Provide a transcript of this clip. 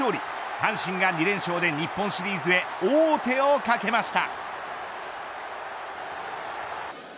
阪神が２連勝で、日本シリーズへ王手をかけました。